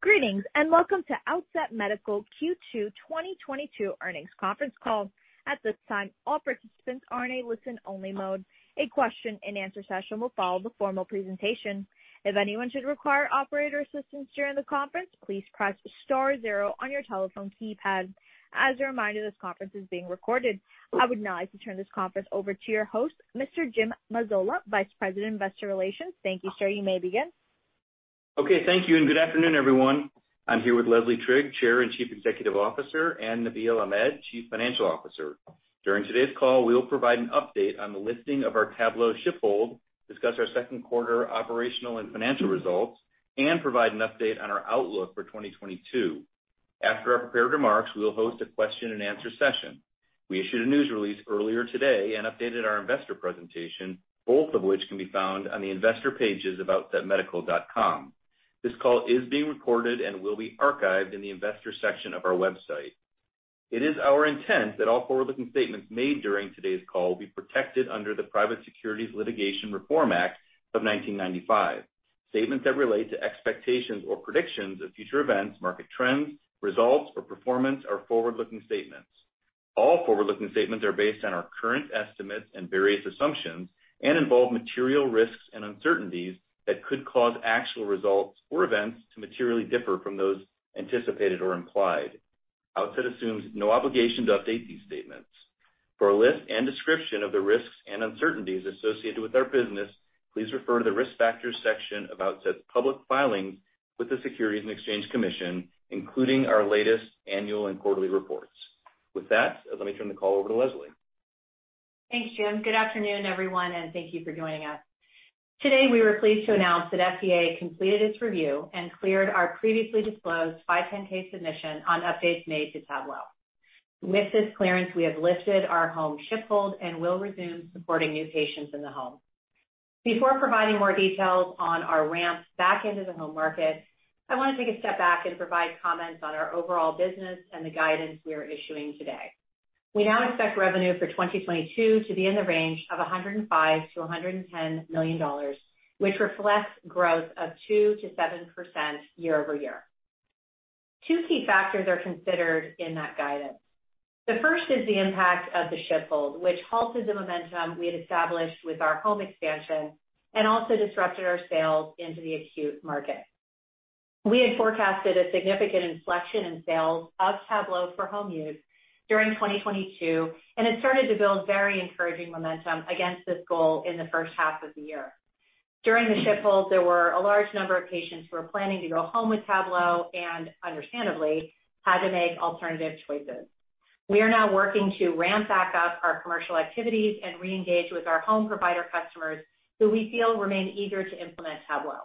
Greetings, and welcome to Outset Medical Q2 2022 earnings conference call. At this time, all participants are in a listen-only mode. A question-and-answer session will follow the formal presentation. If anyone should require operator assistance during the conference, please press star zero on your telephone keypad. As a reminder, this conference is being recorded. I would now like to turn this conference over to your host, Mr. Jim Mazzola, Vice President, Investor Relations. Thank you, sir. You may begin. Okay, thank you, and good afternoon, everyone. I'm here with Leslie Trigg, Chair and Chief Executive Officer, and Nabeel Ahmed, Chief Financial Officer. During today's call, we will provide an update on the listing of our Tablo shipment hold, discuss our second quarter operational and financial results, and provide an update on our outlook for 2022. After our prepared remarks, we will host a question-and-answer session. We issued a news release earlier today and updated our investor presentation, both of which can be found on the investor pages of outsetmedical.com. This call is being recorded and will be archived in the investor section of our website. It is our intent that all forward-looking statements made during today's call be protected under the Private Securities Litigation Reform Act of 1995. Statements that relate to expectations or predictions of future events, market trends, results, or performance are forward-looking statements. All forward-looking statements are based on our current estimates and various assumptions and involve material risks and uncertainties that could cause actual results or events to materially differ from those anticipated or implied. Outset assumes no obligation to update these statements. For a list and description of the risks and uncertainties associated with our business, please refer to the Risk Factors section of Outset's public filings with the Securities and Exchange Commission, including our latest annual and quarterly reports. With that, let me turn the call over to Leslie. Thanks, Jim. Good afternoon, everyone, and thank you for joining us. Today, we were pleased to announce that FDA completed its review and cleared our previously disclosed 510(k) submission on updates made to Tablo. With this clearance, we have lifted our home shipment hold and will resume supporting new patients in the home. Before providing more details on our ramp back into the home market, I want to take a step back and provide comments on our overall business and the guidance we are issuing today. We now expect revenue for 2022 to be in the range of $105 million-$110 million, which reflects growth of 2%-7% year-over-year. Two key factors are considered in that guidance. The first is the impact of the ship hold, which halted the momentum we had established with our home expansion and also disrupted our sales into the acute market. We had forecasted a significant inflection in sales of Tablo for home use during 2022, and had started to build very encouraging momentum against this goal in the first half of the year. During the ship hold, there were a large number of patients who were planning to go home with Tablo and understandably had to make alternative choices. We are now working to ramp back up our commercial activities and re-engage with our home provider customers who we feel remain eager to implement Tablo.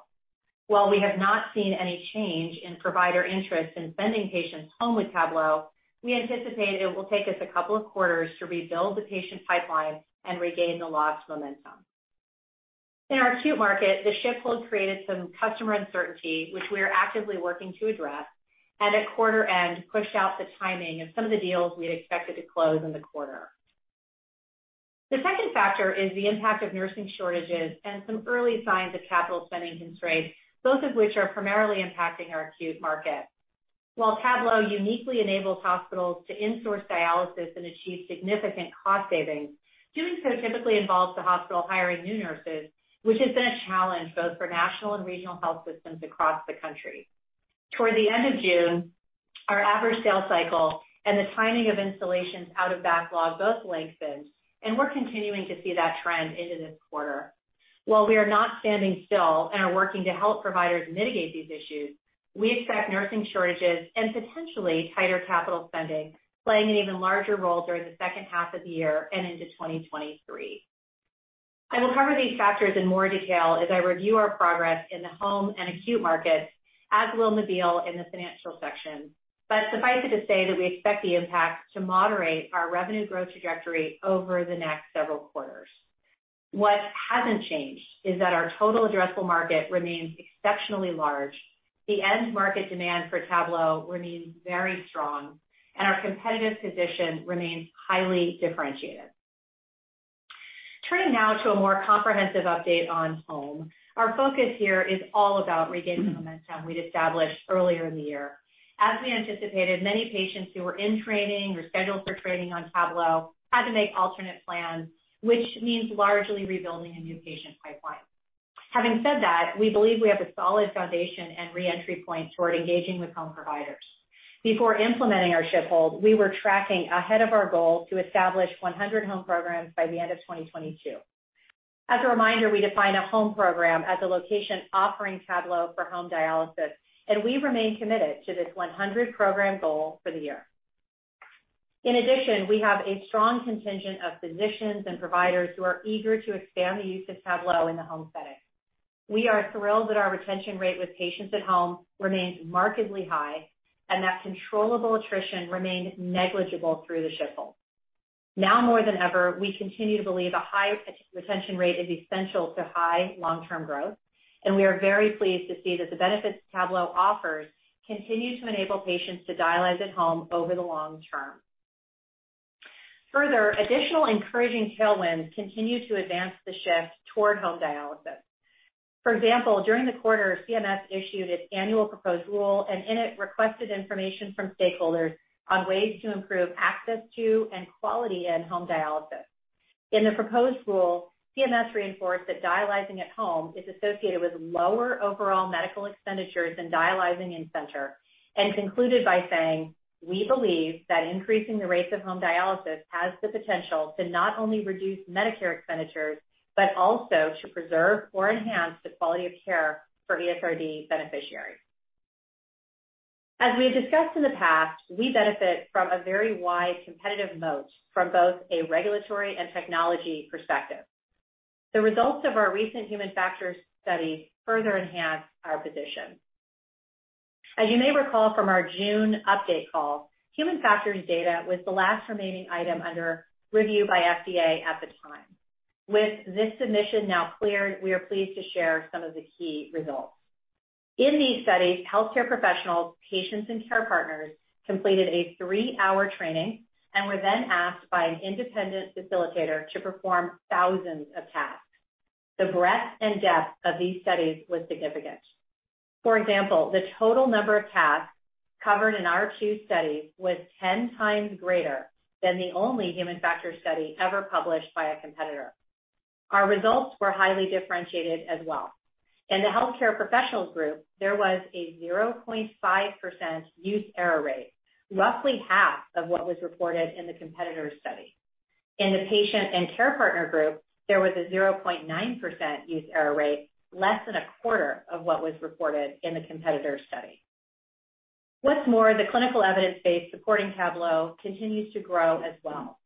While we have not seen any change in provider interest in sending patients home with Tablo, we anticipate it will take us a couple of quarters to rebuild the patient pipeline and regain the lost momentum. In our acute market, the ship hold created some customer uncertainty, which we are actively working to address, and at quarter end, pushed out the timing of some of the deals we had expected to close in the quarter. The second factor is the impact of nursing shortages and some early signs of capital spending constraints, both of which are primarily impacting our acute market. While Tablo uniquely enables hospitals to in-source dialysis and achieve significant cost savings, doing so typically involves the hospital hiring new nurses, which has been a challenge both for national and regional health systems across the country. Toward the end of June, our average sales cycle and the timing of installations out of backlog both lengthened, and we're continuing to see that trend into this quarter. While we are not standing still and are working to help providers mitigate these issues, we expect nursing shortages and potentially tighter capital spending playing an even larger role during the second half of the year and into 2023. I will cover these factors in more detail as I review our progress in the home and acute markets, as will Nabeel in the financial section. Suffice it to say that we expect the impact to moderate our revenue growth trajectory over the next several quarters. What hasn't changed is that our total addressable market remains exceptionally large. The end market demand for Tablo remains very strong, and our competitive position remains highly differentiated. Turning now to a more comprehensive update on home. Our focus here is all about regaining the momentum we'd established earlier in the year. As we anticipated, many patients who were in training or scheduled for training on Tablo had to make alternate plans, which means largely rebuilding a new patient pipeline. Having said that, we believe we have a solid foundation and re-entry point toward engaging with home providers. Before implementing our ship hold, we were tracking ahead of our goal to establish 100 home programs by the end of 2022. As a reminder, we define a home program as a location offering Tablo for home dialysis, and we remain committed to this 100 program goal for the year. In addition, we have a strong contingent of physicians and providers who are eager to expand the use of Tablo in the home setting. We are thrilled that our retention rate with patients at home remains markedly high and that controllable attrition remained negligible through the ship hold. Now more than ever, we continue to believe a high retention rate is essential to high long-term growth, and we are very pleased to see that the benefits Tablo offers continue to enable patients to dialyze at home over the long term. Further, additional encouraging tailwinds continue to advance the shift toward home dialysis. For example, during the quarter, CMS issued its annual proposed rule and in it requested information from stakeholders on ways to improve access to and quality in home dialysis. In the proposed rule, CMS reinforced that dialyzing at home is associated with lower overall medical expenditures than dialyzing in center and concluded by saying, "We believe that increasing the rates of home dialysis has the potential to not only reduce Medicare expenditures, but also to preserve or enhance the quality of care for ESRD beneficiaries." As we have discussed in the past, we benefit from a very wide competitive moat from both a regulatory and technology perspective. The results of our recent human factors study further enhance our position. As you may recall from our June update call, human factors data was the last remaining item under review by FDA at the time. With this submission now cleared, we are pleased to share some of the key results. In these studies, healthcare professionals, patients, and care partners completed a 3-hour training and were then asked by an independent facilitator to perform thousands of tasks. The breadth and depth of these studies was significant. For example, the total number of tasks covered in our two studies was 10 times greater than the only human factors study ever published by a competitor. Our results were highly differentiated as well. In the healthcare professionals group, there was a 0.5% use error rate, roughly half of what was reported in the competitor's study. In the patient and care partner group, there was a 0.9% use error rate, less than a quarter of what was reported in the competitor's study. What's more, the clinical evidence base supporting Tablo continues to grow as well.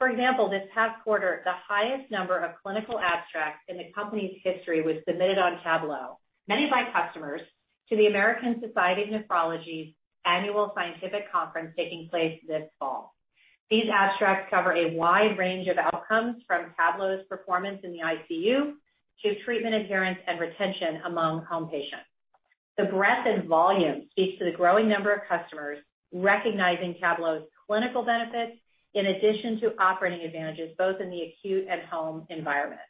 For example, this past quarter, the highest number of clinical abstracts in the company's history was submitted on Tablo, many by customers to the American Society of Nephrology's annual scientific conference taking place this fall. These abstracts cover a wide range of outcomes from Tablo's performance in the ICU to treatment adherence and retention among home patients. The breadth and volume speaks to the growing number of customers recognizing Tablo's clinical benefits in addition to operating advantages both in the acute and home environment.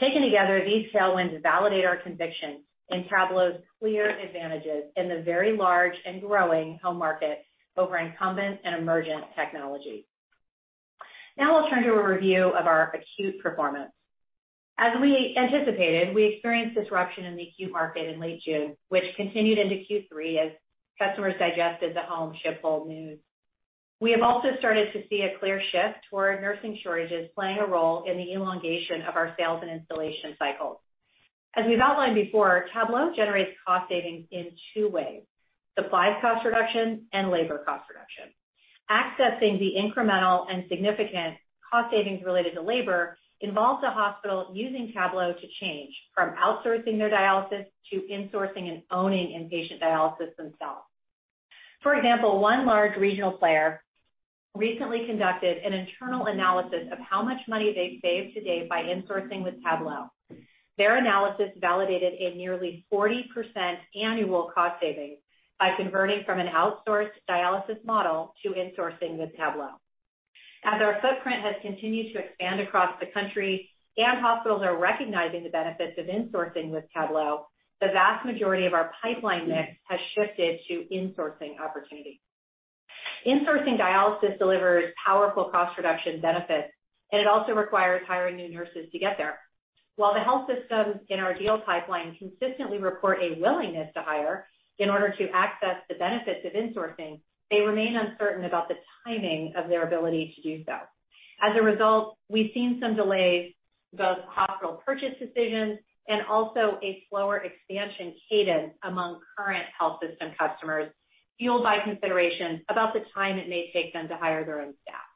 Taken together, these tailwinds validate our conviction in Tablo's clear advantages in the very large and growing home market over incumbent and emergent technology. Now we'll turn to a review of our acute performance. As we anticipated, we experienced disruption in the acute market in late June, which continued into Q3 as customers digested the home ship hold news. We have also started to see a clear shift toward nursing shortages playing a role in the elongation of our sales and installation cycles. As we've outlined before, Tablo generates cost savings in two ways, supplies cost reduction and labor cost reduction. Accessing the incremental and significant cost savings related to labor involves a hospital using Tablo to change from outsourcing their dialysis to insourcing and owning inpatient dialysis themselves. For example, one large regional player recently conducted an internal analysis of how much money they've saved to date by insourcing with Tablo. Their analysis validated a nearly 40% annual cost savings by converting from an outsourced dialysis model to insourcing with Tablo. As our footprint has continued to expand across the country and hospitals are recognizing the benefits of insourcing with Tablo, the vast majority of our pipeline mix has shifted to insourcing opportunities. Insourcing dialysis delivers powerful cost reduction benefits, and it also requires hiring new nurses to get there. While the health systems in our deal pipeline consistently report a willingness to hire in order to access the benefits of insourcing, they remain uncertain about the timing of their ability to do so. As a result, we've seen some delays, both hospital purchase decisions and also a slower expansion cadence among current health system customers, fueled by consideration about the time it may take them to hire their own staff.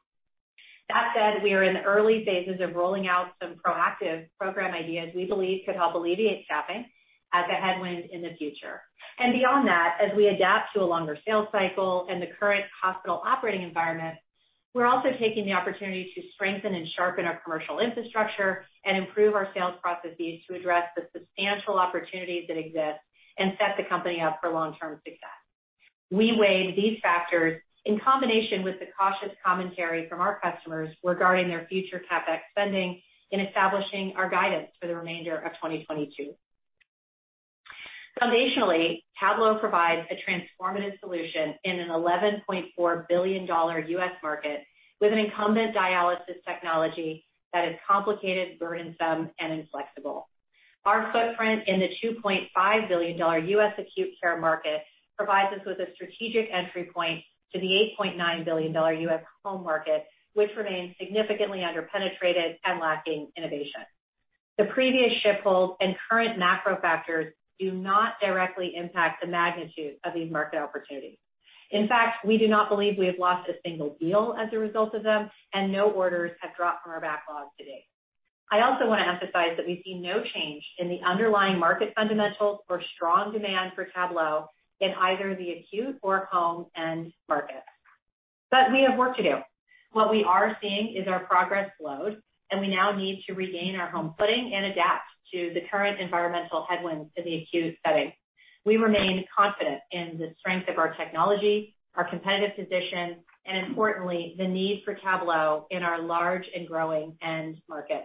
That said, we are in the early phases of rolling out some proactive program ideas we believe could help alleviate staffing as a headwind in the future. Beyond that, as we adapt to a longer sales cycle and the current hospital operating environment, we're also taking the opportunity to strengthen and sharpen our commercial infrastructure and improve our sales processes to address the substantial opportunities that exist and set the company up for long-term success. We weigh these factors in combination with the cautious commentary from our customers regarding their future CapEx spending in establishing our guidance for the remainder of 2022. Foundationally, Tablo provides a transformative solution in an $11.4 billion U.S. market with an incumbent dialysis technology that is complicated, burdensome, and inflexible. Our footprint in the $2.5 billion U.S. acute care market provides us with a strategic entry point to the $8.9 billion U.S. home market, which remains significantly under-penetrated and lacking innovation. The previous quarter's results and current macro factors do not directly impact the magnitude of these market opportunities. In fact, we do not believe we have lost a single deal as a result of them, and no orders have dropped from our backlog to date. I also want to emphasize that we see no change in the underlying market fundamentals and strong demand for Tablo in either the acute or home end markets. We have work to do. What we are seeing is our progress slowed, and we now need to regain our footing and adapt to the current environmental headwinds in the acute setting. We remain confident in the strength of our technology, our competitive position, and importantly, the need for Tablo in our large and growing end market.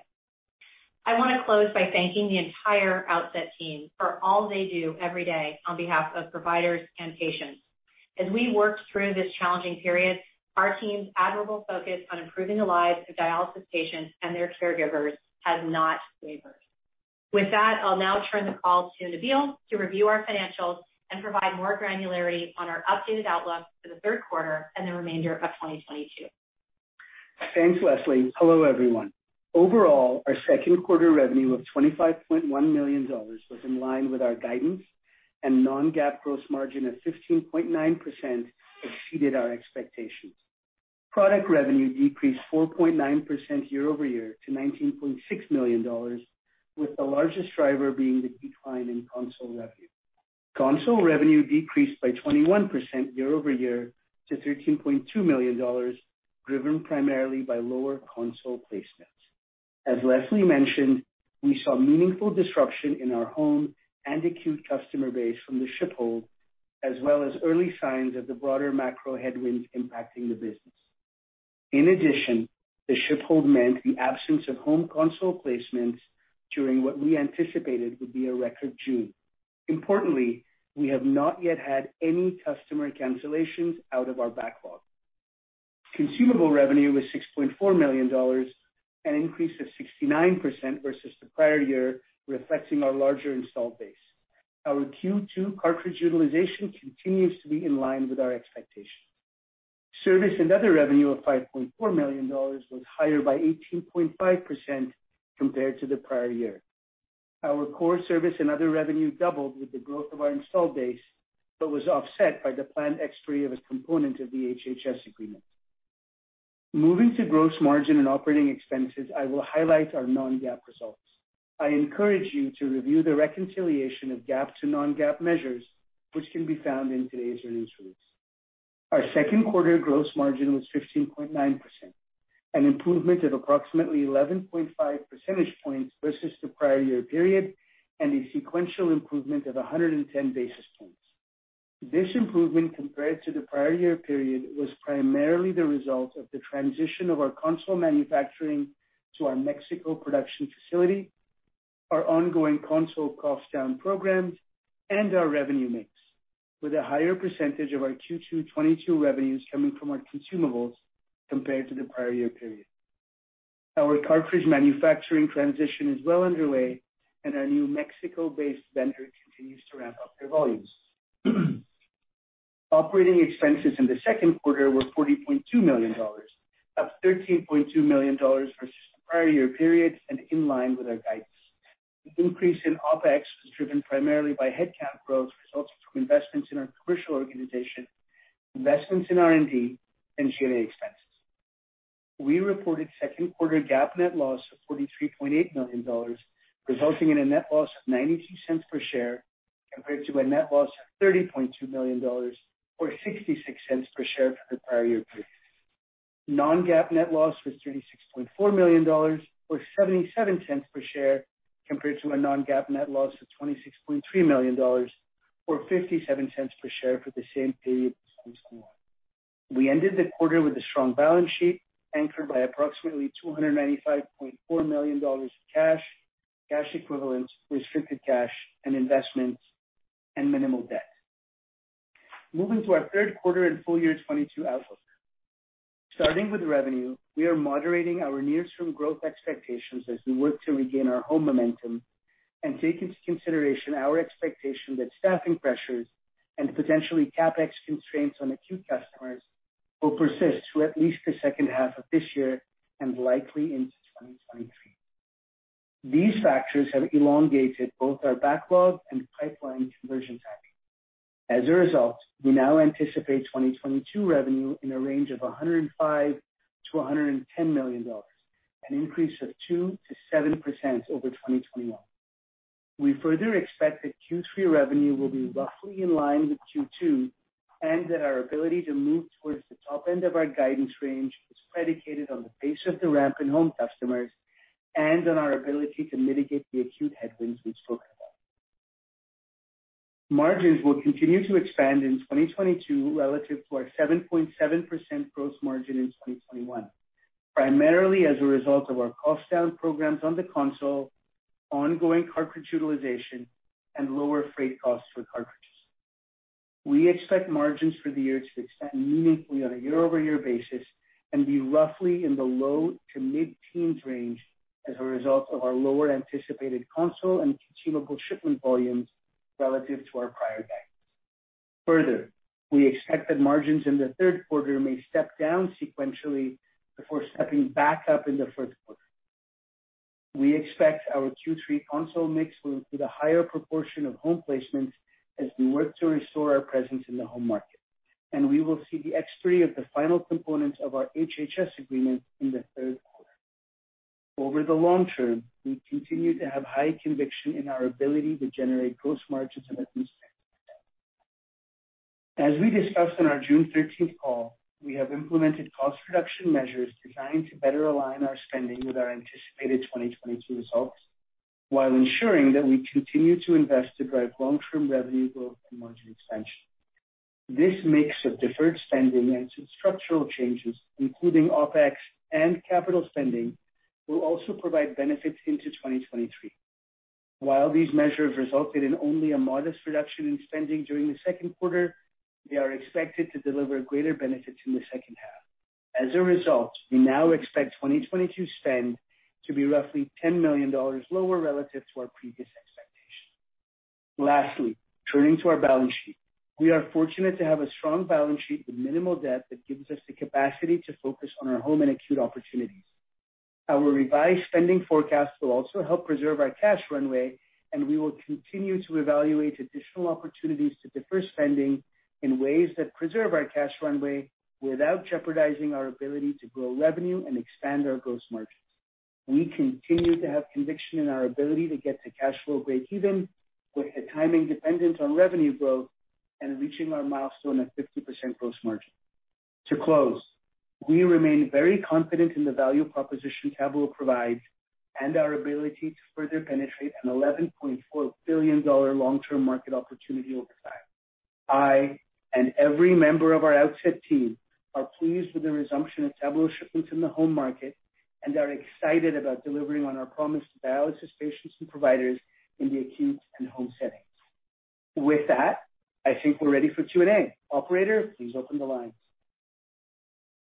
I wanna close by thanking the entire Outset team for all they do every day on behalf of providers and patients. As we work through this challenging period, our team's admirable focus on improving the lives of dialysis patients and their caregivers has not wavered. With that, I'll now turn the call to Nabeel to review our financials and provide more granularity on our updated outlook for the third quarter and the remainder of 2022. Thanks, Leslie. Hello, everyone. Overall, our second quarter revenue of $25.1 million was in line with our guidance and non-GAAP gross margin of 15.9% exceeded our expectations. Product revenue decreased 4.9% year-over-year to $19.6 million, with the largest driver being the decline in console revenue. Console revenue decreased by 21% year-over-year to $13.2 million, driven primarily by lower console placements. As Leslie mentioned, we saw meaningful disruption in our home and acute customer base from the ship hold, as well as early signs of the broader macro headwinds impacting the business. In addition, the ship hold meant the absence of home console placements during what we anticipated would be a record June. Importantly, we have not yet had any customer cancellations out of our backlog. Consumable revenue was $6.4 million, an increase of 69% versus the prior year, reflecting our larger installed base. Our Q2 cartridge utilization continues to be in line with our expectations. Service and other revenue of $5.4 million was higher by 18.5% compared to the prior year. Our core service and other revenue doubled with the growth of our installed base, but was offset by the planned expiry of a component of the HHS agreement. Moving to gross margin and operating expenses, I will highlight our non-GAAP results. I encourage you to review the reconciliation of GAAP to non-GAAP measures, which can be found in today's earnings release. Our second quarter gross margin was 15.9%, an improvement of approximately 11.5 percentage points versus the prior year period, and a sequential improvement of 110 basis points. This improvement compared to the prior year period was primarily the result of the transition of our console manufacturing to our Mexico production facility, our ongoing console cost down programs, and our revenue mix, with a higher percentage of our Q2 2022 revenues coming from our consumables compared to the prior year period. Our cartridge manufacturing transition is well underway and our new Mexico-based vendor continues to ramp up their volumes. Operating expenses in the second quarter were $40.2 million, up $13.2 million versus the prior year period and in line with our guidance. The increase in OpEx was driven primarily by headcount growth resulting from investments in our commercial organization, investments in R&D and G&A expenses. We reported second quarter GAAP net loss of $43.8 million, resulting in a net loss of $0.92 per share, compared to a net loss of $30.2 million or $0.66 per share for the prior year period. non-GAAP net loss was $36.4 million, or $0.77 per share, compared to a non-GAAP net loss of $26.3 million or $0.57 per share for the same period in 2021. We ended the quarter with a strong balance sheet, anchored by approximately $295.4 million in cash equivalents, restricted cash and investments and minimal debt. Moving to our third quarter and full year 2022 outlook. Starting with revenue, we are moderating our near-term growth expectations as we work to regain our home momentum and take into consideration our expectation that staffing pressures and potentially CapEx constraints on acute customers will persist through at least the second half of this year and likely into 2023. These factors have elongated both our backlog and pipeline conversion time. As a result, we now anticipate 2022 revenue in a range of $105 million-$110 million, an increase of 2%-7% over 2021. We further expect that Q3 revenue will be roughly in line with Q2 and that our ability to move towards the top end of our guidance range is predicated on the pace of the ramp in home customers and on our ability to mitigate the acute headwinds we spoke about. Margins will continue to expand in 2022 relative to our 7.7% gross margin in 2021, primarily as a result of our cost down programs on the console, ongoing cartridge utilization and lower freight costs for cartridges. We expect margins for the year to expand meaningfully on a year-over-year basis and be roughly in the low to mid-teens range as a result of our lower anticipated console and consumable shipment volumes relative to our prior guidance. Further, we expect that margins in the third quarter may step down sequentially before stepping back up in the fourth quarter. We expect our Q3 console mix will be the higher proportion of home placements as we work to restore our presence in the home market, and we will see the expiry of the final components of our HHS agreement in the third quarter. Over the long term, we continue to have high conviction in our ability to generate gross margins in the mid-teens. As we discussed on our June 13 call, we have implemented cost reduction measures designed to better align our spending with our anticipated 2022 results, while ensuring that we continue to invest to drive long-term revenue growth and margin expansion. This mix of deferred spending and structural changes, including OpEx and capital spending, will also provide benefits into 2023. While these measures resulted in only a modest reduction in spending during the second quarter, they are expected to deliver greater benefits in the second half. As a result, we now expect 2022 spend to be roughly $10 million lower relative to our previous expectations. Lastly, turning to our balance sheet. We are fortunate to have a strong balance sheet with minimal debt that gives us the capacity to focus on our home and acute opportunities. Our revised spending forecast will also help preserve our cash runway, and we will continue to evaluate additional opportunities to defer spending in ways that preserve our cash runway without jeopardizing our ability to grow revenue and expand our gross margins. We continue to have conviction in our ability to get to cash flow breakeven with the timing dependent on revenue growth and reaching our milestone at 50% gross margin. To close, we remain very confident in the value proposition Tablo provides and our ability to further penetrate an $11.4 billion long-term market opportunity over time. I and every member of our Outset team are pleased with the resumption of Tablo shipments in the home market and are excited about delivering on our promise to dialysis patients and providers in the acute and home settings. With that, I think we're ready for Q&A. Operator, please open the lines.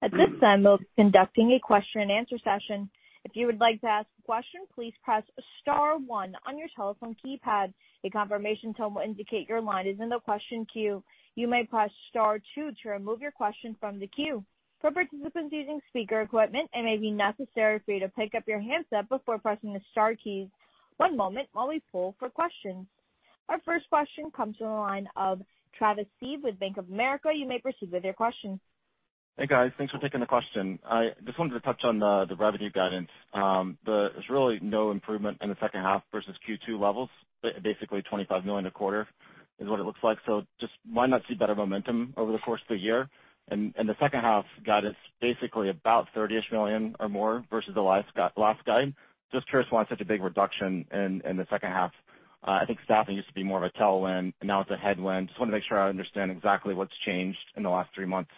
At this time, we're conducting a question-and-answer session. If you would like to ask a question, please press star one on your telephone keypad. A confirmation tone will indicate your line is in the question queue. You may press star two to remove your question from the queue. For participants using speaker equipment, it may be necessary for you to pick up your handset before pressing the star keys. One moment while we poll for questions. Our first question comes from the line of Travis Steed with Bank of America. You may proceed with your question. Hey, guys. Thanks for taking the question. I just wanted to touch on the revenue guidance. There's really no improvement in the second half versus Q2 levels. Basically, $25 million a quarter is what it looks like. Just why not see better momentum over the course of the year? The second half got us basically about $30 million or more versus the last guide. Just curious why it's such a big reduction in the second half. I think staffing used to be more of a tailwind and now it's a headwind. Just wanna make sure I understand exactly what's changed in the last three months.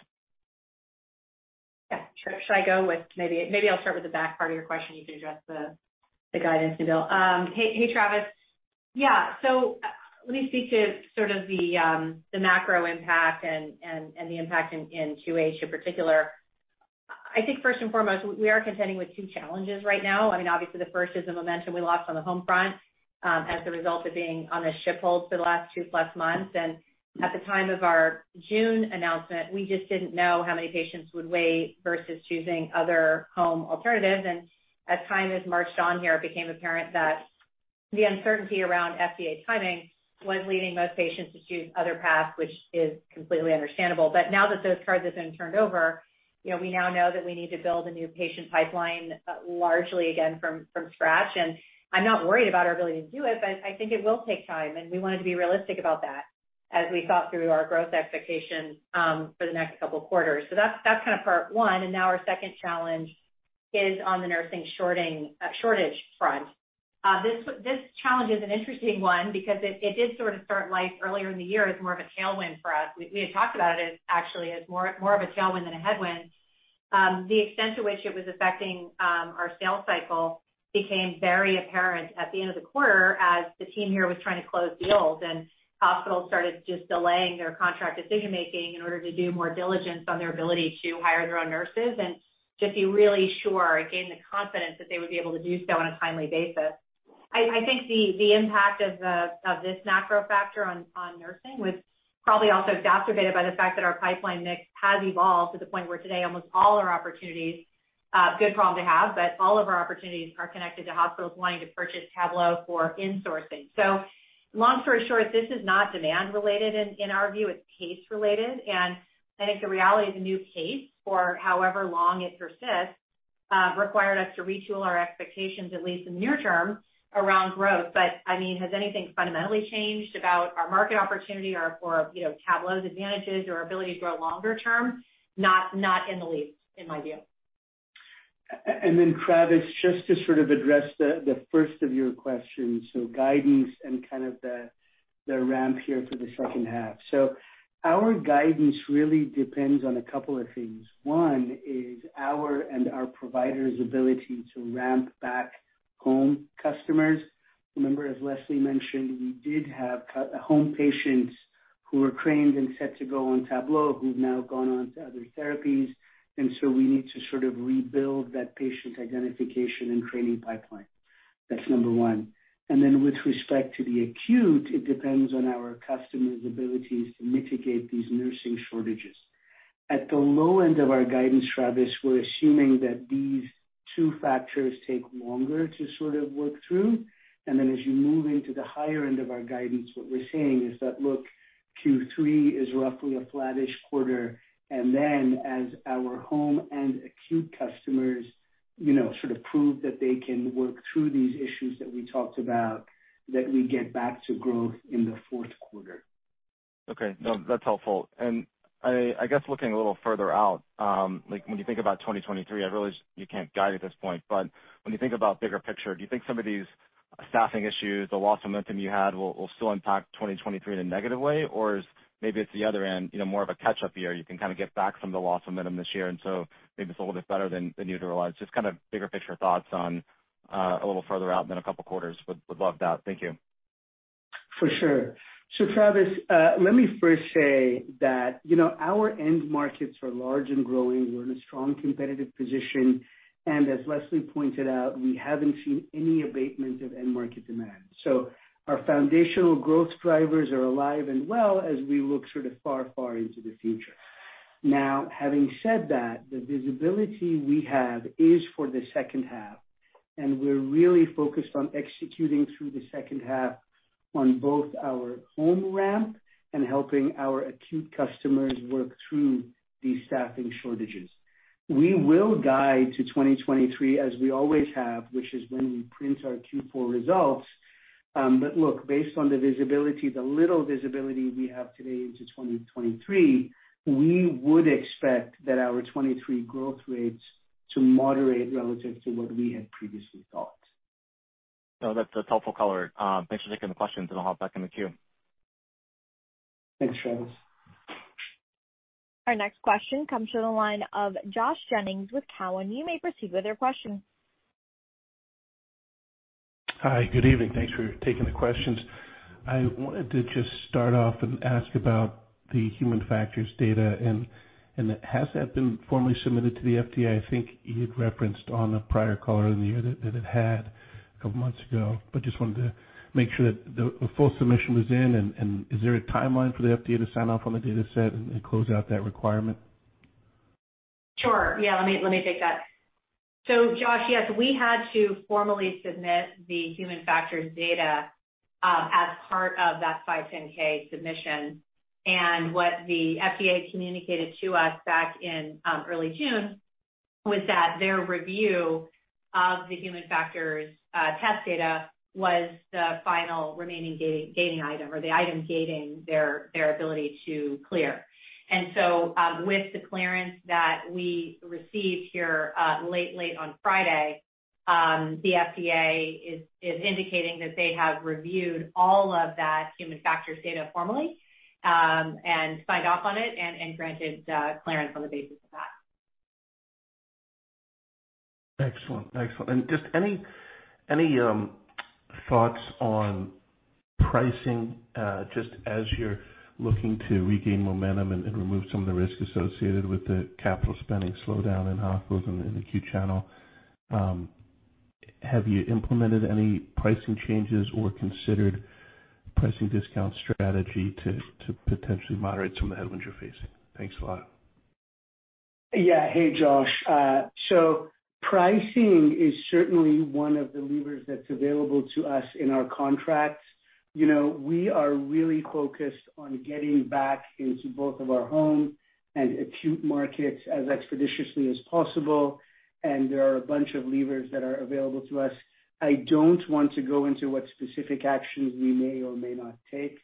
I'll start with the back part of your question. You can address the guidance to Bill. Hey, Travis. Yeah, so let me speak to sort of the macro impact and the impact in Q3 in particular. I think first and foremost, we are contending with 2 challenges right now. I mean, obviously the first is the momentum we lost on the home front, as a result of being on the ship hold for the last 2+ months. At the time of our June announcement, we just didn't know how many patients would wait versus choosing other home alternatives. As time has marched on here, it became apparent that the uncertainty around FDA timing was leading most patients to choose other paths, which is completely understandable. Now that those cards have been turned over, you know, we now know that we need to build a new patient pipeline largely again from scratch. I'm not worried about our ability to do it, but I think it will take time, and we wanted to be realistic about that as we thought through our growth expectations for the next couple of quarters. That's kind of part one. Now our second challenge is on the nursing shortage front. This challenge is an interesting one because it did sort of start life earlier in the year as more of a tailwind for us. We had talked about it actually as more of a tailwind than a headwind. The extent to which it was affecting our sales cycle became very apparent at the end of the quarter as the team here was trying to close deals and hospitals started just delaying their contract decision-making in order to do more diligence on their ability to hire their own nurses and just be really sure and gain the confidence that they would be able to do so on a timely basis. I think the impact of this macro factor on nursing was probably also exacerbated by the fact that our pipeline mix has evolved to the point where today almost all our opportunities, good problem to have, but all of our opportunities are connected to hospitals wanting to purchase Tablo for insourcing. Long story short, this is not demand related in our view, it's pace related. I think the reality of the new pace for however long it persists required us to retool our expectations, at least in the near term, around growth. I mean, has anything fundamentally changed about our market opportunity or for, you know, Tablo's advantages or ability to grow longer term? Not in the least, in my view. Travis, just to sort of address the first of your questions, guidance and kind of the ramp here for the second half. Our guidance really depends on a couple of things. One is our providers' ability to ramp back home customers. Remember, as Leslie mentioned, we did have home patients who were trained and set to go on Tablo who've now gone on to other therapies, and so we need to sort of rebuild that patient identification and training pipeline. That's number one. With respect to the acute, it depends on our customers' abilities to mitigate these nursing shortages. At the low end of our guidance, Travis, we're assuming that these two factors take longer to sort of work through. as you move into the higher end of our guidance, what we're saying is that, look, Q3 is roughly a flattish quarter. as our home and acute customers, you know, sort of prove that they can work through these issues that we talked about, that we get back to growth in the fourth quarter. Okay. No, that's helpful. I guess looking a little further out, like when you think about 2023, I realize you can't guide at this point, but when you think about bigger picture, do you think some of these staffing issues, the lost momentum you had will still impact 2023 in a negative way? Or maybe it's the other end, you know, more of a catch-up year, you can kind of get back some of the lost momentum this year, so maybe it's a little bit better than you'd realized. Just kind of bigger picture thoughts on a little further out than a couple quarters, would love that. Thank you. For sure. Travis, let me first say that, you know, our end markets are large and growing. We're in a strong competitive position, and as Leslie pointed out, we haven't seen any abatement of end market demand. Our foundational growth drivers are alive and well as we look sort of far, far into the future. Now, having said that, the visibility we have is for the second half, and we're really focused on executing through the second half on both our home ramp and helping our acute customers work through these staffing shortages. We will guide to 2023 as we always have, which is when we print our Q4 results. But look, based on the visibility, the little visibility we have today into 2023, we would expect that our 2023 growth rates to moderate relative to what we had previously thought. No, that's helpful color. Thanks for taking the questions, and I'll hop back in the queue. Thanks, Travis. Our next question comes from the line of Josh Jennings with Cowen. You may proceed with your question. Hi. Good evening. Thanks for taking the questions. I wanted to just start off and ask about the human factors data and has that been formally submitted to the FDA? I think you had referenced on a prior call earlier that it had a couple months ago, but just wanted to make sure that a full submission was in and is there a timeline for the FDA to sign off on the data set and close out that requirement? Sure. Yeah, let me take that. Josh, yes, we had to formally submit the human factors data as part of that 510(k) submission. What the FDA communicated to us back in early June was that their review of the human factors test data was the final remaining gating item or the item gating their ability to clear. With the clearance that we received here late on Friday, the FDA is indicating that they have reviewed all of that human factors data formally and signed off on it and granted clearance on the basis of that. Excellent. Just any thoughts on pricing, just as you're looking to regain momentum and remove some of the risk associated with the capital spending slowdown in hospitals and in the acute channel, have you implemented any pricing changes or considered pricing discount strategy to potentially moderate some of the headwinds you're facing? Thanks a lot. Yeah. Hey, Josh. Pricing is certainly one of the levers that's available to us in our contracts. You know, we are really focused on getting back into both of our home and acute markets as expeditiously as possible, and there are a bunch of levers that are available to us. I don't want to go into what specific actions we may or may not take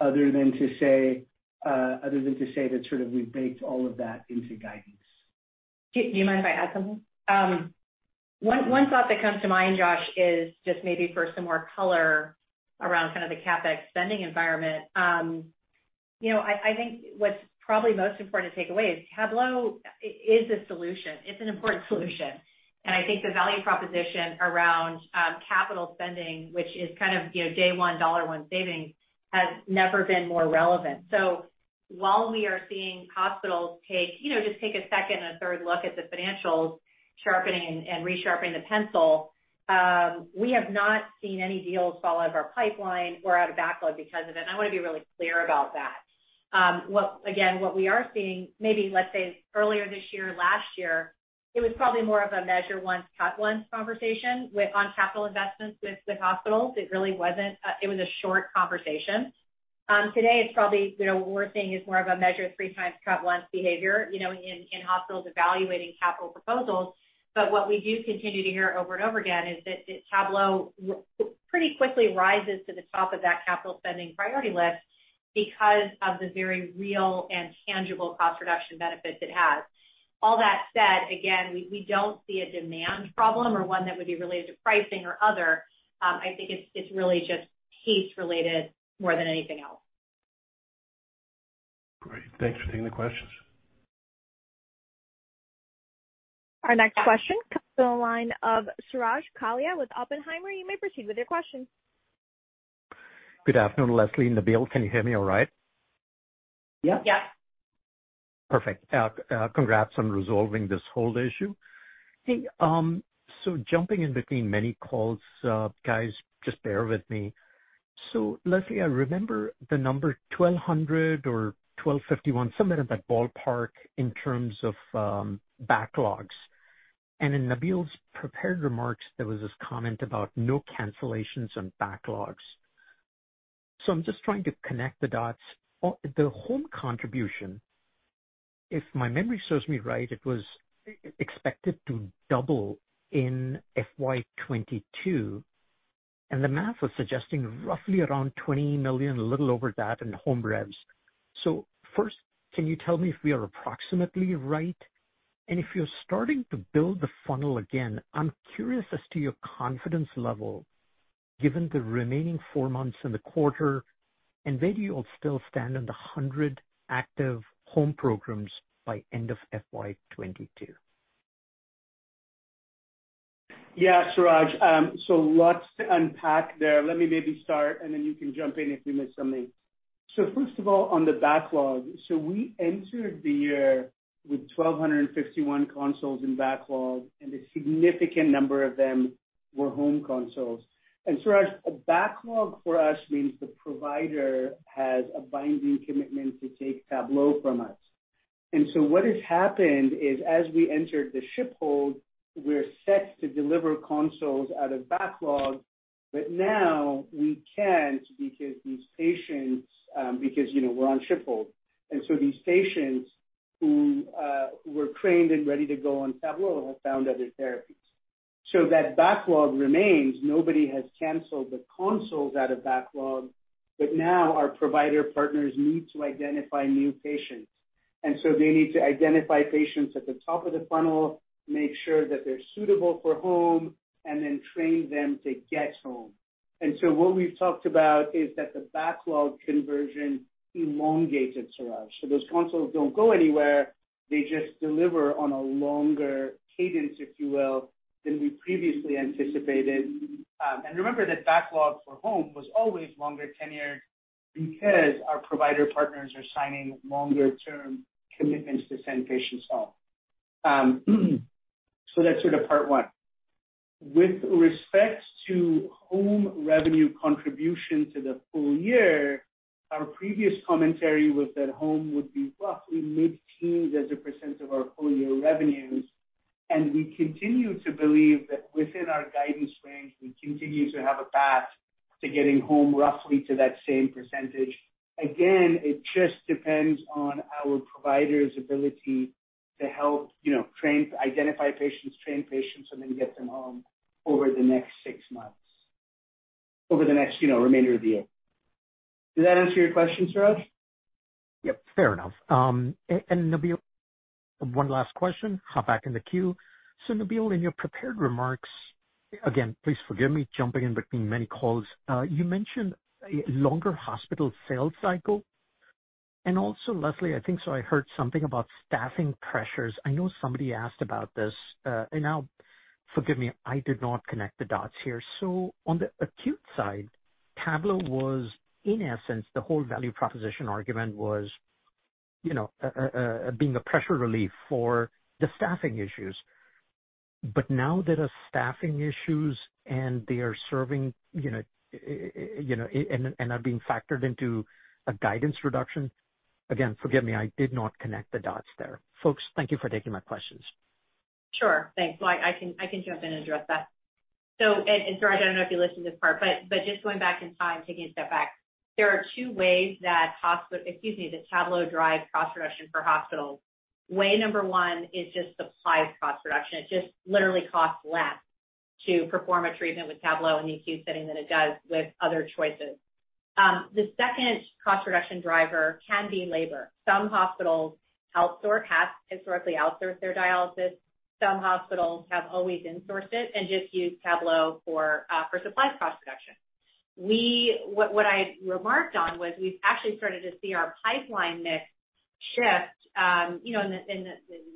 other than to say that sort of we've baked all of that into guidance. Do you mind if I add something? One thought that comes to mind, Josh, is just maybe for some more color around kind of the CapEx spending environment. You know, I think what's probably most important to take away is Tablo is a solution. It's an important solution. I think the value proposition around capital spending, which is kind of day one, dollar one savings has never been more relevant. While we are seeing hospitals take just take a second and a third look at the financials, sharpening and resharpen the pencil, we have not seen any deals fall out of our pipeline or out of backlog because of it, and I wanna be really clear about that. Again, what we are seeing, maybe let's say earlier this year, last year, it was probably more of a measure once cut once conversation on capital investments with the hospitals. It really wasn't. It was a short conversation. Today it's probably, you know, what we're seeing is more of a measure three times cut once behavior, you know, in hospitals evaluating capital proposals. But what we do continue to hear over and over again is that Tablo pretty quickly rises to the top of that capital spending priority list because of the very real and tangible cost reduction benefits it has. All that said, again, we don't see a demand problem or one that would be related to pricing or other. I think it's really just pace related more than anything else. Great. Thanks for taking the questions. Our next question comes to the line of Suraj Kalia with Oppenheimer. You may proceed with your question. Good afternoon, Leslie and Nabeel. Can you hear me all right? Yeah. Yeah. Perfect. Congrats on resolving this whole issue. Hey, jumping in between many calls, guys, just bear with me. Leslie, I remember the number 1,200 or 1,251, somewhere in that ballpark in terms of backlogs. In Nabeel's prepared remarks, there was this comment about no cancellations on backlogs. I'm just trying to connect the dots. On the home contribution, if my memory serves me right, it was expected to double in FY 2022, and the math was suggesting roughly around $20 million, a little over that in home revs. First, can you tell me if we are approximately right? If you're starting to build the funnel again, I'm curious as to your confidence level, given the remaining four months in the quarter, and where do you all still stand on the 100 active home programs by end of FY 2022. Yeah. Suraj, lots to unpack there. Let me maybe start, and then you can jump in if we miss something. First of all, on the backlog, we entered the year with 1,251 consoles in backlog, and a significant number of them were home consoles. Suraj, a backlog for us means the provider has a binding commitment to take Tablo from us. What has happened is as we entered the ship hold, we're set to deliver consoles out of backlog, but now we can't because these patients, you know, we're on ship hold. These patients who were trained and ready to go on Tablo have found other therapies. That backlog remains. Nobody has canceled the consoles out of backlog, but now our provider partners need to identify new patients. They need to identify patients at the top of the funnel, make sure that they're suitable for home, and then train them to get home. What we've talked about is that the backlog conversion elongated, Suraj. Those consoles don't go anywhere. They just deliver on a longer cadence, if you will, than we previously anticipated. Remember that backlog for home was always longer tenured because our provider partners are signing longer term commitments to send patients home. That's sort of part one. With respect to home revenue contribution to the full year, our previous commentary was that home would be roughly mid-teens% of our full year revenues. We continue to believe that within our guidance range, we continue to have a path to getting home roughly to that same percentage. Again, it just depends on our providers' ability to help, you know, identify patients, train patients, and then get them home over the next six months, you know, remainder of the year. Does that answer your question, Suraj? Yep, fair enough. Nabeel, one last question. Hop back in the queue. Nabeel, in your prepared remarks, again, please forgive me jumping in between many calls. You mentioned a longer hospital sales cycle. Leslie, I think so I heard something about staffing pressures. I know somebody asked about this. Now forgive me, I did not connect the dots here. On the acute side, Tablo was, in essence, the whole value proposition argument was, you know, being a pressure relief for the staffing issues. Now there are staffing issues and they are serving, you know, you know, and are being factored into a guidance reduction. Again, forgive me, I did not connect the dots there. Folks, thank you for taking my questions. Sure. Thanks. I can jump in and address that. Suraj, I don't know if you listened to this part, but just going back in time, taking a step back, there are two ways that Tablo drives cost reduction for hospitals. Way number one is just supplies cost reduction. It just literally costs less to perform a treatment with Tablo in the acute setting than it does with other choices. The second cost reduction driver can be labor. Some hospitals have historically outsourced their dialysis. Some hospitals have always insourced it and just use Tablo for supplies cost reduction. What I remarked on was we've actually started to see our pipeline mix shift, you know,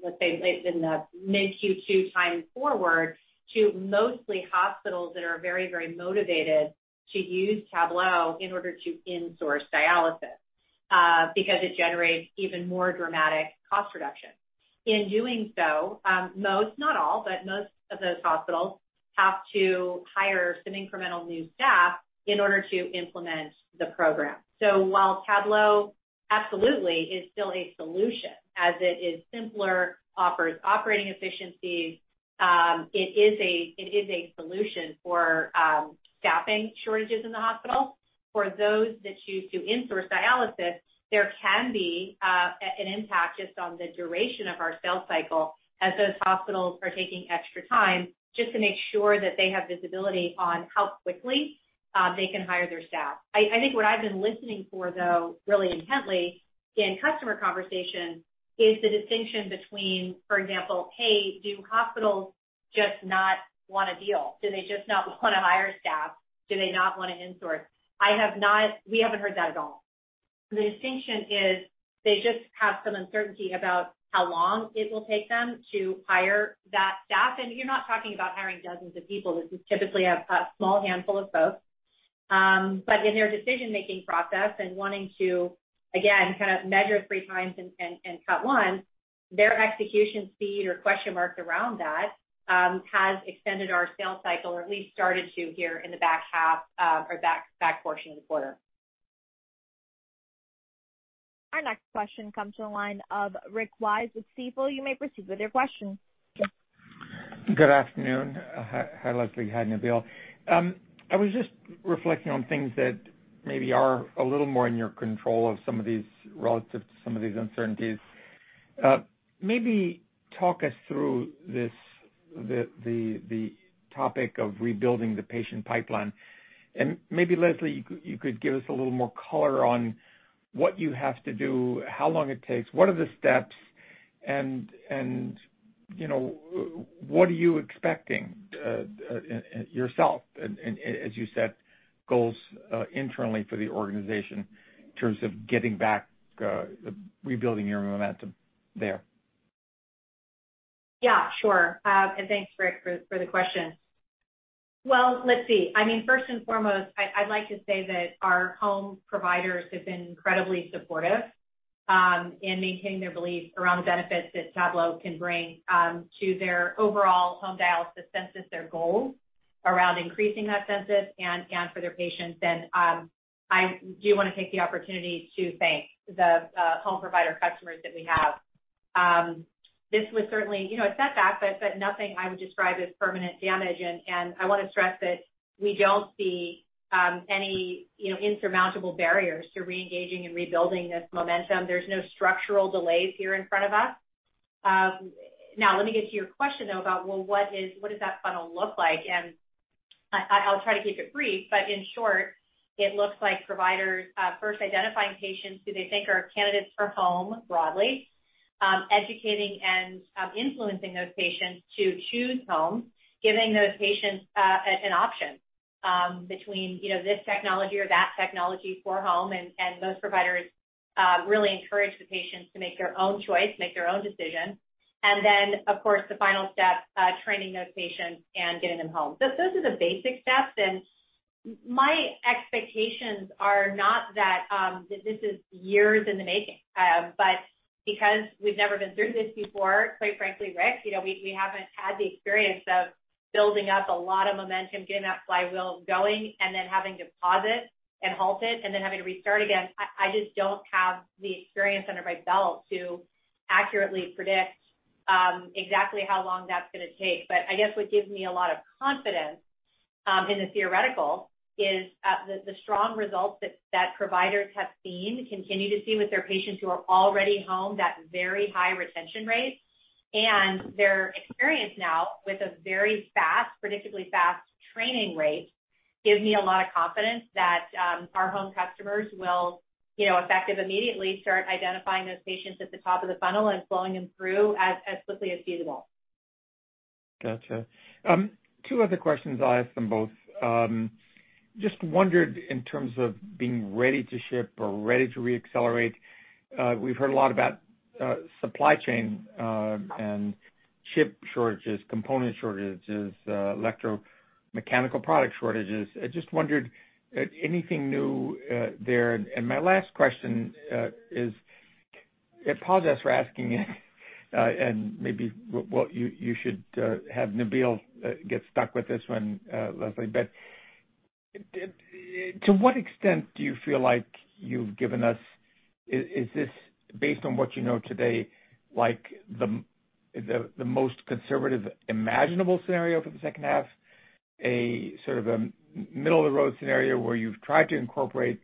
let's say, in the mid Q2 time forward to mostly hospitals that are very motivated to use Tablo in order to insource dialysis, because it generates even more dramatic cost reduction. In doing so, most, not all, but most of those hospitals have to hire some incremental new staff in order to implement the program. While Tablo absolutely is still a solution as it is simpler, offers operating efficiencies, it is a solution for staffing shortages in the hospital. For those that choose to insource dialysis, there can be an impact just on the duration of our sales cycle as those hospitals are taking extra time just to make sure that they have visibility on how quickly they can hire their staff. I think what I've been listening for though, really intently in customer conversations is the distinction between, for example, hey, do hospitals just not want a deal? Do they just not want to hire staff? Do they not wanna insource? We haven't heard that at all. The distinction is they just have some uncertainty about how long it will take them to hire that staff. You're not talking about hiring dozens of people. This is typically a small handful of folks. In their decision making process and wanting to, again, kind of measure three times and cut one, their execution speed or question marks around that has extended our sales cycle, or at least started to here in the back half or back portion of the quarter. Our next question comes to the line of Rick Wise with Stifel. You may proceed with your question. Good afternoon. Hi, Leslie. Hi, Nabeel. I was just reflecting on things that maybe are a little more in your control of some of these relative to some of these uncertainties. Maybe talk us through this, the topic of rebuilding the patient pipeline. Maybe Leslie, you could give us a little more color on what you have to do, how long it takes, what are the steps and, you know, what are you expecting yourself as you set goals internally for the organization in terms of getting back, rebuilding your momentum there? Yeah, sure. Thanks, Rick, for the question. Well, let's see. I mean, first and foremost, I'd like to say that our home providers have been incredibly supportive in maintaining their belief around the benefits that Tablo can bring to their overall home dialysis census, their goals around increasing that census and for their patients. I do wanna take the opportunity to thank the home provider customers that we have. This was certainly, you know, a setback, but nothing I would describe as permanent damage. I wanna stress that we don't see any, you know, insurmountable barriers to re-engaging and rebuilding this momentum. There's no structural delays here in front of us. Now let me get to your question, though, about, well, what does that funnel look like? I'll try to keep it brief, but in short, it looks like providers first identifying patients who they think are candidates for home broadly, educating and influencing those patients to choose home, giving those patients an option between, you know, this technology or that technology for home. Most providers really encourage the patients to make their own choice, make their own decision. Then, of course, the final step, training those patients and getting them home. Those are the basic steps, and my expectations are not that this is years in the making. Because we've never been through this before, quite frankly, Rick, you know, we haven't had the experience of building up a lot of momentum, getting that flywheel going, and then having to pause it and halt it and then having to restart again. I just don't have the experience under my belt to accurately predict exactly how long that's gonna take. I guess what gives me a lot of confidence in the theoretical is the strong results that providers have seen, continue to see with their patients who are already home, that very high retention rate. Their experience now with a very fast, predictably fast training rate, gives me a lot of confidence that our home customers will, you know, effective immediately start identifying those patients at the top of the funnel and flowing them through as quickly as feasible. Gotcha. Two other questions. I'll ask them both. Just wondered in terms of being ready to ship or ready to re-accelerate, we've heard a lot about, supply chain, and chip shortages, component shortages, electromechanical product shortages. I just wondered, anything new, there? My last question is, I apologize for asking it, and maybe well, you should have Nabeel get stuck with this one, Leslie. To what extent do you feel like you've given us. Is this based on what you know today, like, the most conservative imaginable scenario for the second half, a sort of a middle of the road scenario where you've tried to incorporate,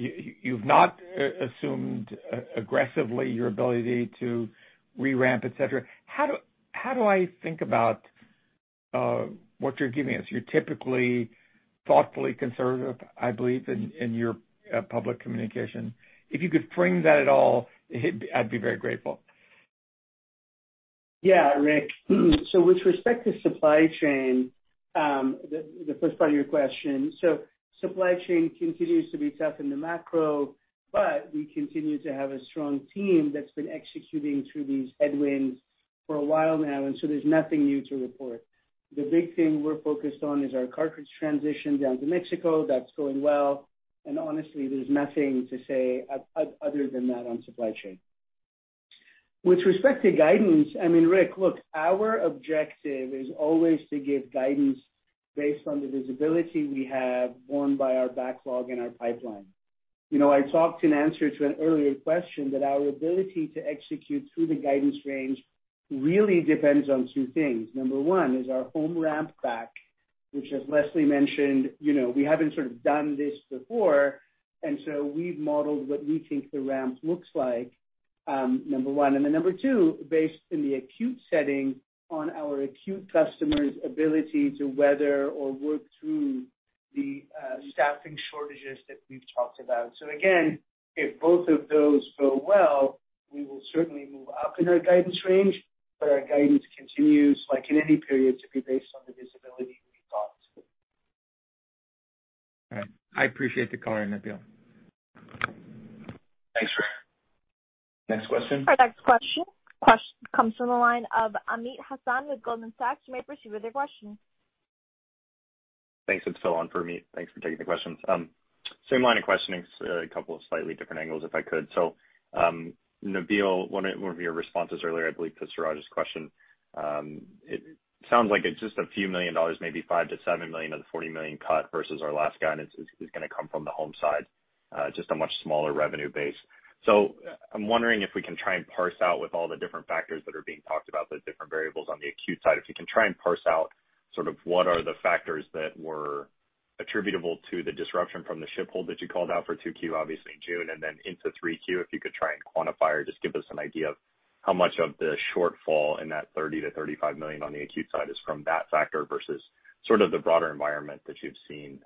you've not assumed aggressively your ability to re-ramp, et cetera. How do I think about, what you're giving us? You're typically thoughtfully conservative, I believe in your public communication. If you could frame that at all, I'd be very grateful. Yeah, Rick. With respect to supply chain, the first part of your question, supply chain continues to be tough in the macro, but we continue to have a strong team that's been executing through these headwinds for a while now, and there's nothing new to report. The big thing we're focused on is our cartridge transition down to Mexico. That's going well. Honestly, there's nothing to say other than that on supply chain. With respect to guidance, I mean, Rick, look, our objective is always to give guidance based on the visibility we have borne out by our backlog and our pipeline. You know, I talked in answer to an earlier question that our ability to execute through the guidance range really depends on two things. Number one is our home ramp back, which as Leslie mentioned, you know, we haven't sort of done this before, and so we've modeled what we think the ramp looks like, number one. Number two, based in the acute setting on our acute customers' ability to weather or work through the staffing shortages that we've talked about. Again, if both of those go well, we will certainly move up in our guidance range, but our guidance continues, like in any period, to be based on the visibility we thought. All right. I appreciate the color, Nabeel. Thanks, Rick. Next question. Our next question comes from the line of Amit Hazan with Goldman Sachs. You may proceed with your question. Thanks. It's Phil on for Amit. Thanks for taking the questions. Same line of questioning, just a couple of slightly different angles, if I could. Nabeel, one of your responses earlier, I believe to Suraj's question. Sounds like it's just a few million dollars, maybe $5-7 million of the $40 million cut versus our last guidance is gonna come from the home side, just a much smaller revenue base. I'm wondering if we can try and parse out with all the different factors that are being talked about, the different variables on the acute side. If we can try and parse out sort of what are the factors that were attributable to the disruption from the ship hold that you called out for 2Q, obviously June, and then into 3Q, if you could try and quantify or just give us an idea of how much of the shortfall in that $30-35 million on the acute side is from that factor versus sort of the broader environment that you've seen,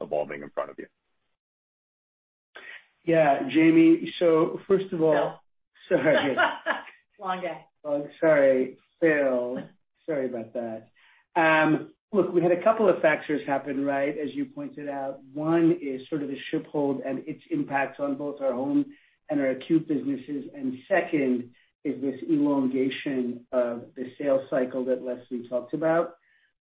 evolving in front of you. Yeah, Jim Mazzola. First of all. Phil. Sorry. Long day. Sorry, Phil. Sorry about that. Look, we had a couple of factors happen, right, as you pointed out. One is sort of the ship hold and its impacts on both our home and our acute businesses. Second is this elongation of the sales cycle that Leslie talked about.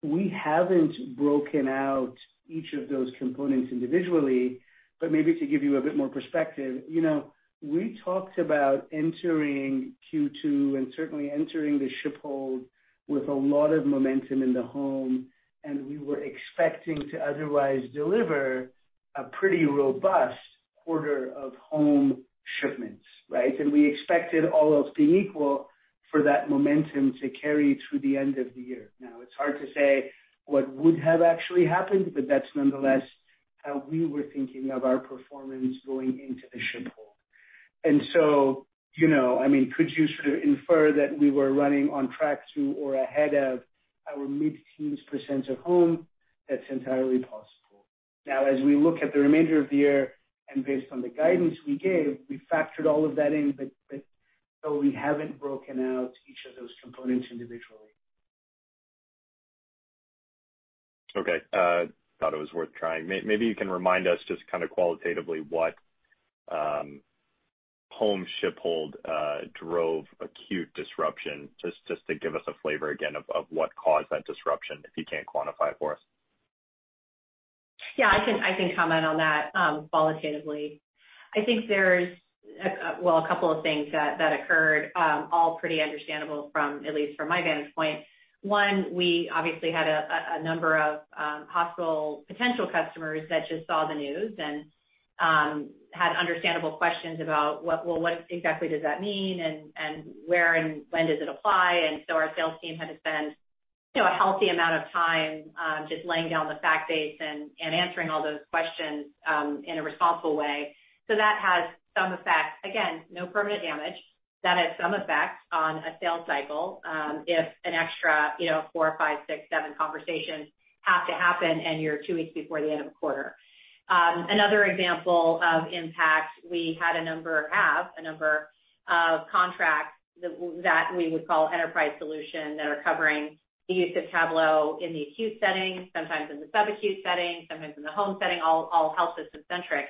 We haven't broken out each of those components individually, but maybe to give you a bit more perspective, you know, we talked about entering Q2, and certainly entering the ship hold with a lot of momentum in the home, and we were expecting to otherwise deliver a pretty robust quarter of home shipments, right? We expected all else being equal for that momentum to carry through the end of the year. Now, it's hard to say what would have actually happened, but that's nonetheless how we were thinking of our performance going into the ship hold. You know, I mean, could you sort of infer that we were running on track to or ahead of our mid-teens% of home? That's entirely possible. Now, as we look at the remainder of the year and based on the guidance we gave, we factored all of that in, but so we haven't broken out each of those components individually. Okay. Thought it was worth trying. Maybe you can remind us just kinda qualitatively what home hemodialysis drove acute disruption, just to give us a flavor again of what caused that disruption, if you can't quantify it for us. Yeah, I can comment on that qualitatively. I think there's well, a couple of things that occurred, all pretty understandable from at least from my vantage point. One, we obviously had a number of hospital potential customers that just saw the news and had understandable questions about what exactly does that mean, and where and when does it apply? Our sales team had to spend you know, a healthy amount of time just laying down the fact base and answering all those questions in a responsible way. So that has some effect. Again, no permanent damage. That has some effect on a sales cycle if an extra you know, 4, 5, 6, 7 conversations have to happen and you're 2 weeks before the end of a quarter. Another example of impact, we have a number of contracts that we would call enterprise solution that are covering the use of Tablo in the acute setting, sometimes in the subacute setting, sometimes in the home setting, all health system centric.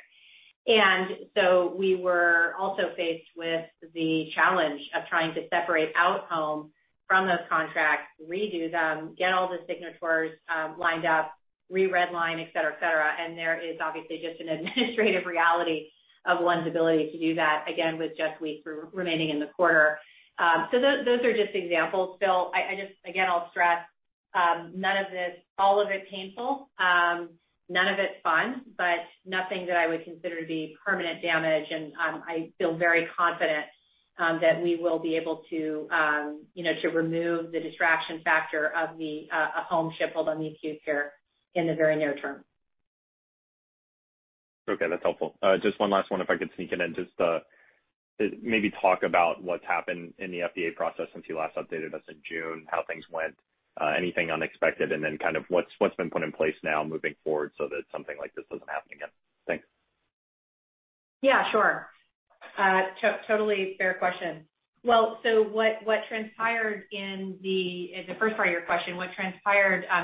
We were also faced with the challenge of trying to separate out home from those contracts, redo them, get all the signatories lined up, redline, et cetera, et cetera. There is obviously just an administrative reality of one's ability to do that, again, with just weeks remaining in the quarter. Those are just examples, Phil. I just again, I'll stress, none of this all of it painful, none of it's fun, but nothing that I would consider to be permanent damage. I feel very confident that we will be able to, you know, to remove the distraction factor of the home shipment hold on the acute care in the very near term. Okay, that's helpful. Just one last one, if I could sneak it in. Just maybe talk about what's happened in the FDA process since you last updated us in June, how things went, anything unexpected, and then kind of what's been put in place now moving forward so that something like this doesn't happen again. Thanks. Yeah, sure. Totally fair question. Well, what transpired in the first part of your question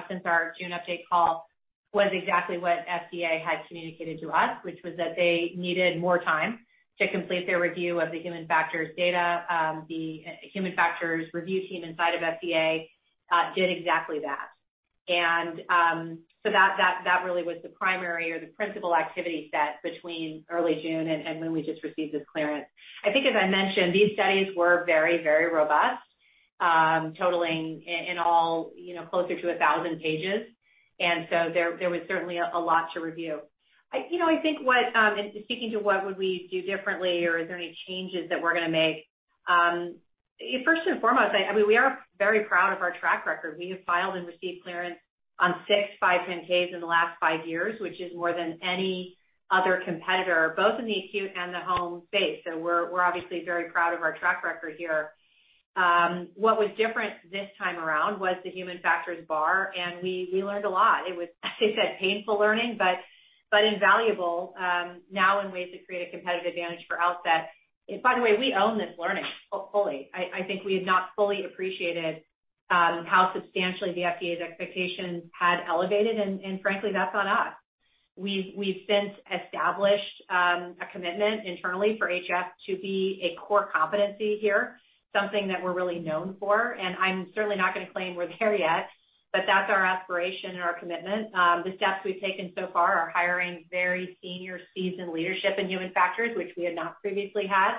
since our June update call was exactly what FDA had communicated to us, which was that they needed more time to complete their review of the human factors data. The human factors review team inside of FDA did exactly that. That really was the primary or the principal activity set between early June and when we just received this clearance. I think as I mentioned, these studies were very robust, totaling in all, you know, closer to 1,000 pages. There was certainly a lot to review. You know, I think, speaking to what we would do differently or is there any changes that we're gonna make, first and foremost, I mean, we are very proud of our track record. We have filed and received clearance on six 510(k)s in the last five years, which is more than any other competitor, both in the acute and the home space. We're obviously very proud of our track record here. What was different this time around was the human factors bar, and we learned a lot. It was, I say, painful learning, but invaluable, now in ways to create a competitive advantage for Outset. By the way, we own this learning fully. I think we had not fully appreciated how substantially the FDA's expectations had elevated, and frankly, that's on us. We've since established a commitment internally for HF to be a core competency here, something that we're really known for, and I'm certainly not gonna claim we're there yet, but that's our aspiration and our commitment. The steps we've taken so far are hiring very senior seasoned leadership in human factors, which we had not previously had.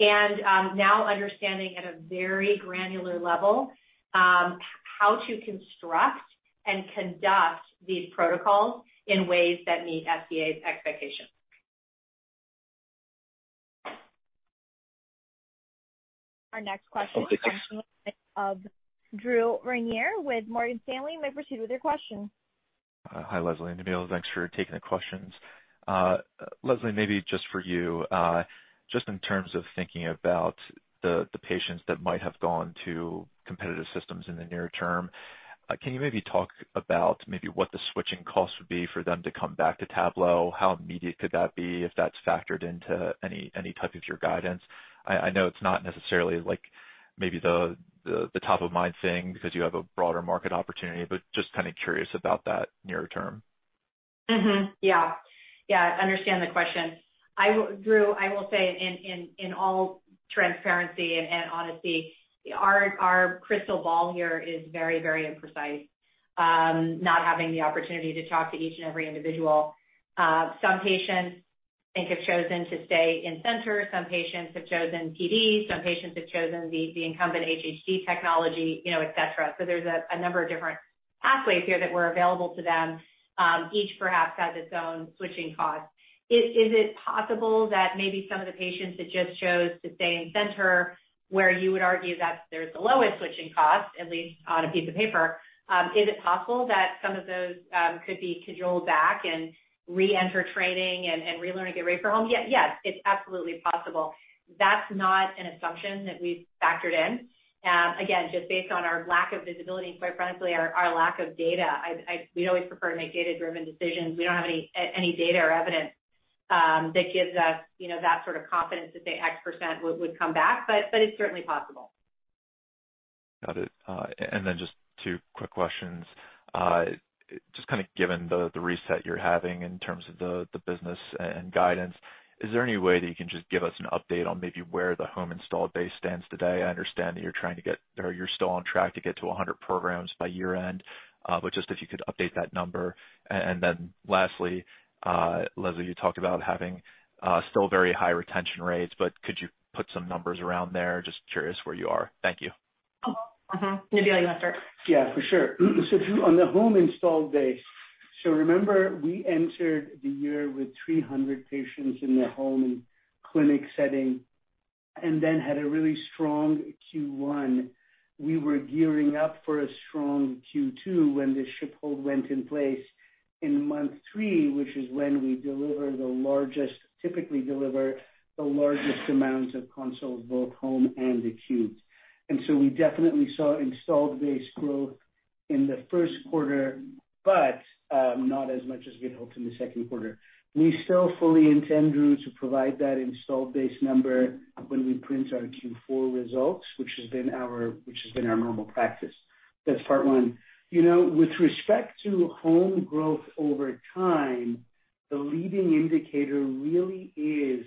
Now understanding at a very granular level, how to construct and conduct these protocols in ways that meet FDA's expectations. Our next question comes from the line of Drew Ranieri with Morgan Stanley. You may proceed with your question. Hi, Leslie and Nabeel. Thanks for taking the questions. Leslie, maybe just for you, just in terms of thinking about the patients that might have gone to competitive systems in the near term, can you maybe talk about maybe what the switching costs would be for them to come back to Tablo? How immediate could that be if that's factored into any type of your guidance? I know it's not necessarily like maybe the top of mind thing because you have a broader market opportunity, but just kind of curious about that near-term. I understand the question. Drew, I will say in all transparency and honesty, our crystal ball here is very imprecise. Not having the opportunity to talk to each and every individual. Some patients I think have chosen to stay in center. Some patients have chosen PD. Some patients have chosen the incumbent HHD technology, you know, et cetera. There's a number of different pathways here that were available to them, each perhaps has its own switching cost. Is it possible that maybe some of the patients that just chose to stay in center, where you would argue that there's the lowest switching cost, at least on a piece of paper, is it possible that some of those could be cajoled back and reenter training and relearn to get ready for home? Yes, it's absolutely possible. That's not an assumption that we've factored in. Again, just based on our lack of visibility, quite frankly, our lack of data. We always prefer to make data-driven decisions. We don't have any data or evidence that gives us, you know, that sort of confidence to say X% would come back, but it's certainly possible. Got it. Just two quick questions. Just kind of given the reset you're having in terms of the business and guidance, is there any way that you can just give us an update on maybe where the home installed base stands today? I understand that you're trying to get or you're still on track to get to 100 programs by year-end. But just if you could update that number. Lastly, Leslie, you talked about having still very high retention rates, but could you put some numbers around there? Just curious where you are. Thank you. Maybe on you, sir. Yeah, for sure. Drew, on the home installed base, so remember we entered the year with 300 patients in the home clinic setting and then had a really strong Q1. We were gearing up for a strong Q2 when the ship hold went in place in month three, which is when we typically deliver the largest amounts of consoles, both home and acute. We definitely saw installed base growth in the first quarter, but not as much as we had hoped in the second quarter. We still fully intend, Drew, to provide that installed base number when we print our Q4 results, which has been our normal practice. That's part one. You know, with respect to home growth over time, the leading indicator really is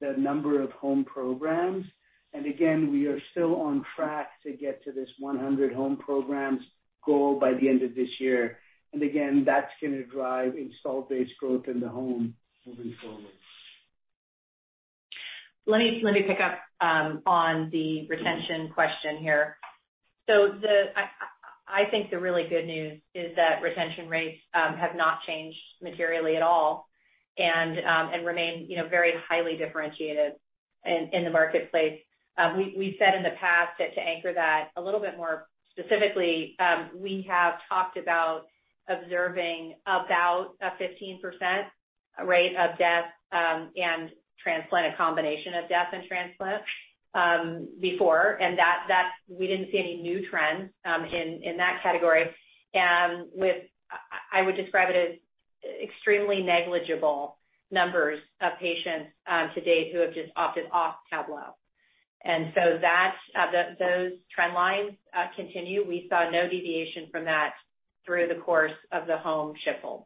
the number of home programs. Again, we are still on track to get to this 100 home programs goal by the end of this year. Again, that's gonna drive install base growth in the home moving forward. Let me pick up on the retention question here. I think the really good news is that retention rates have not changed materially at all and remain, you know, very highly differentiated in the marketplace. We've said in the past that to anchor that a little bit more specifically, we have talked about observing about a 15% rate of death and transplant, a combination of death and transplant, before. That we didn't see any new trends in that category. I would describe it as extremely negligible numbers of patients to date who have just opted off Tablo. Those trend lines continue. We saw no deviation from that through the course of the home ship hold.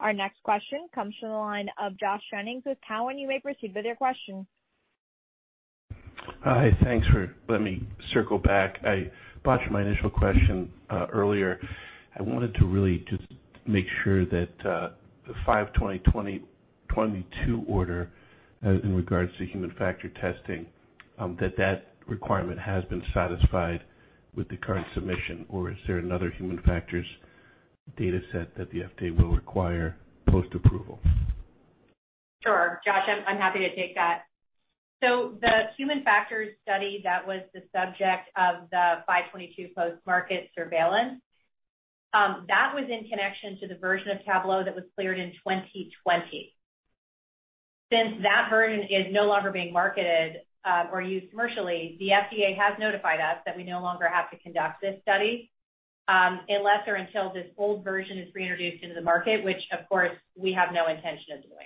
Our next question comes from the line of Josh Jennings with Cowen. You may proceed with your question. Hi. Thanks for letting me circle back. I watched my initial question earlier. I wanted to really just make sure that the 522 order in regards to human factors testing that requirement has been satisfied with the current submission or is there another human factors data set that the FDA will require post-approval? Sure. Josh, I'm happy to take that. The human factors study that was the subject of the 522 post-market surveillance, that was in connection to the version of Tablo that was cleared in 2020. Since that version is no longer being marketed, or used commercially, the FDA has notified us that we no longer have to conduct this study, unless or until this old version is reintroduced into the market, which of course, we have no intention of doing.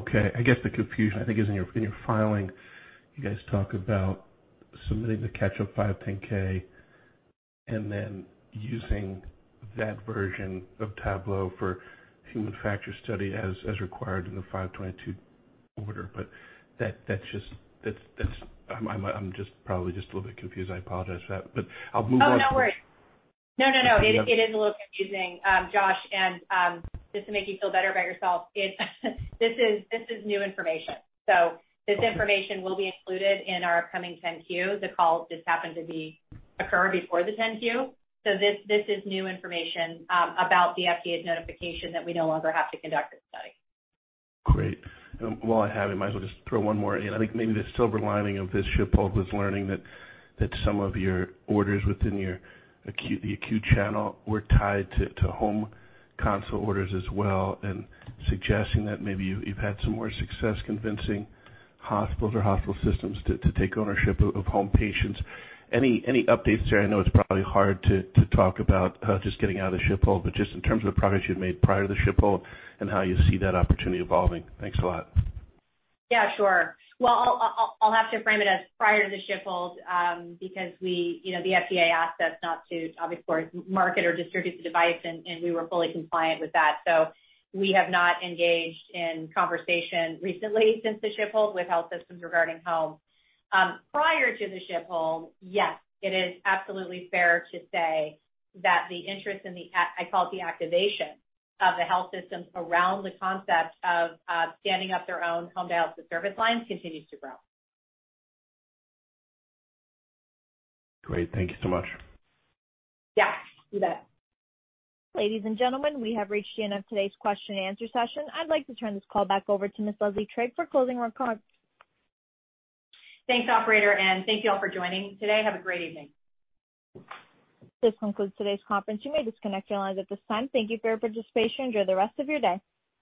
Okay. I guess the confusion, I think is in your, in your filing, you guys talk about submitting the catch-up 510(k) and then using that version of Tablo for human factor study as required in the 522 order. That's just, that's. I'm just probably just a little bit confused. I apologize for that, but I'll move on. Oh, no worries. No, no. Yeah. It is a little confusing, Josh, and just to make you feel better about yourself, this is new information. This information will be included in our upcoming 10-Q. The call just happened to occur before the 10-Q. This is new information about the FDA's notification that we no longer have to conduct this study. Great. While I have you, might as well just throw one more in. I think maybe the silver lining of this ship hold was learning that some of your orders within your acute, the acute channel were tied to home conversion orders as well, and suggesting that maybe you've had some more success convincing hospitals or hospital systems to take ownership of home patients. Any updates there? I know it's probably hard to talk about just getting out of the ship hold, but just in terms of the progress you've made prior to the ship hold and how you see that opportunity evolving. Thanks a lot. Yeah, sure. Well, I'll have to frame it as prior to the ship hold, because we, you know, the FDA asked us not to, obviously, market or distribute the device, and we were fully compliant with that. So we have not engaged in conversation recently since the ship hold with health systems regarding home. Prior to the ship hold, yes, it is absolutely fair to say that the interest in the I call it the activation of the health systems around the concept of standing up their own home dialysis service lines continues to grow. Great. Thank you so much. Yeah. You bet. Ladies and gentlemen, we have reached the end of today's question and answer session. I'd like to turn this call back over to Ms. Leslie Trigg for closing remarks. Thanks, operator, and thank you all for joining today. Have a great evening. This concludes today's conference. You may disconnect your lines at this time. Thank you for your participation. Enjoy the rest of your day.